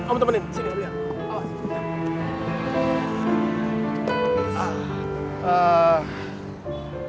om temenin sini om lihat